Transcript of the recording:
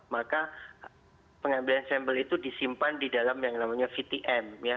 maka pengambilan sampel itu disimpan di dalam yang namanya vtm